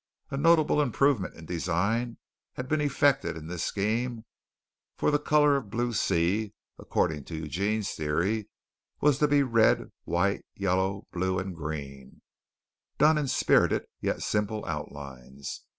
A notable improvement in design had been effected in this scheme, for the color of Blue Sea, according to Eugene's theory, was to be red, white, yellow, blue, and green, done in spirited yet simple outlines.